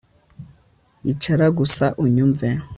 Icara gusa unyumve